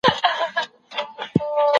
د ادم په قدم پل ايښودل د نېکو خلګو کار دی.